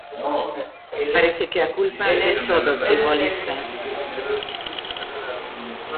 Parece que a culpa é só dos futbolistas.